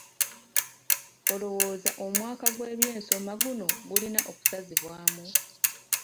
Olowooza omwaka gw'ebyensoma guno gulina okusazibwamu?